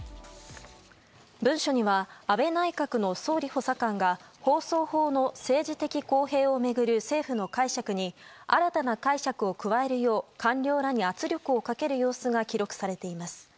文書には安倍内閣の総理補佐官が放送法の政治的公平を巡る政府の解釈に新たな解釈を加えるよう官僚らに圧力をかける様子が記録されています。